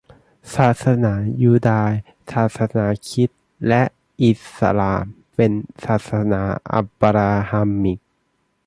ศาสนายูดาย ศาสนาคริสต์และอิสลาม เป็น ศาสนาอับบราฮัมมิก